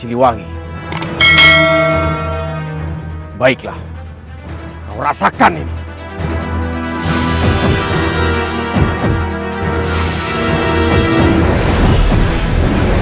ada yang melakukannya